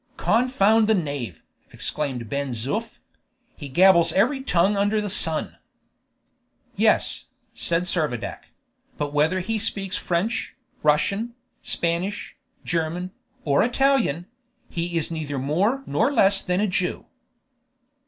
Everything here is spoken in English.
"Confound the knave!" exclaimed Ben Zoof; "he gabbles every tongue under the sun!" "Yes," said Servadac; "but whether he speaks French, Russian, Spanish, German, or Italian, he is neither more nor less than a Jew."